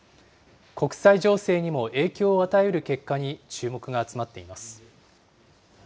国際情勢にも影響を与えうる結果に注目が集まっています。